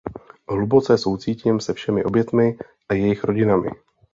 Hluboce soucítím se všemi oběťmi a jejich rodinami.